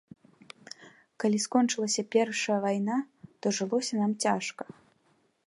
Калі скончылася першая вайна, то жылося нам цяжка.